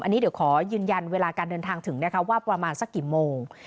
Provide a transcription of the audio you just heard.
อันนี้เดี๋ยวขอยืนยันเวลาการเดินทางถึงนะคะว่าประมาณสักกี่โมง